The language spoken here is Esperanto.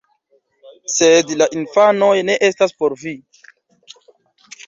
Sed la infanoj ne estas por vi